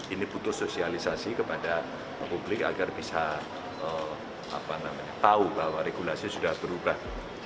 ini butuh sosialisasi kepada publik agar bisa tahu bahwa regulasi sudah berubah